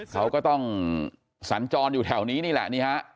เขาก็ต้องสัญจรอยู่แถวนี้นี่แหละนี่ฮะ